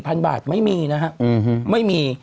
ว่า๔๐๐๐บาทไม่มีนะครับไม่มี